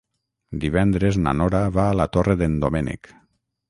Divendres na Nora va a la Torre d'en Doménec.